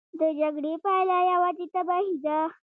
د جګړې پایله یوازې تباهي ده.